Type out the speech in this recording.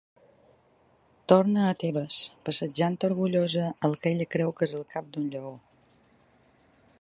Torna a Tebes, passejant orgullosa el que ella creu que és el cap d'un lleó.